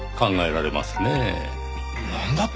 なんだって！？